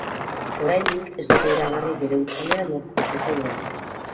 Oraindik ez dute iragarri bere hutsunea nork beteko duen.